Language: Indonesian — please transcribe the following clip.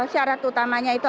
syarat utamanya itu